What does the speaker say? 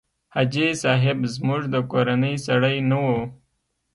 حاجي صاحب زموږ د کورنۍ سړی نه و.